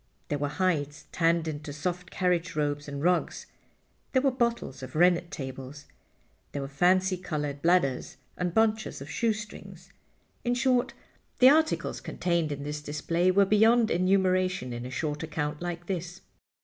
There were hides tanned into soft carriage robes and rugs; there were bottles of rennet tablets; there were fancy colored bladders, and bunches of shoestrings. In short, the articles contained in this display were beyond enumeration in a short account like this.